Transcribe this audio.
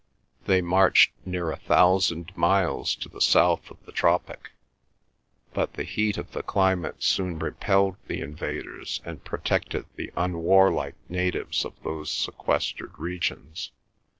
They marched near a thousand miles to the south of the tropic; but the heat of the climate soon repelled the invaders and protected the unwarlike natives of those sequestered regions.